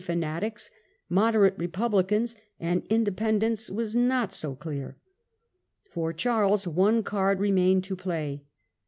fanatics, moderate Republicans, and Indepen dents was not so clear. For Charles one card remained to play.